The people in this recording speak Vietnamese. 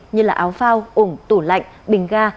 như áo phao ủng tủ lạnh bình ga